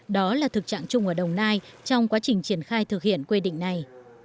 đó là thực trạng chung ở đồng nai trong quá trình triển khai thực hiện quy định này